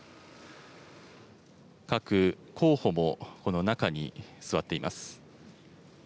各候補もこの中に座っています。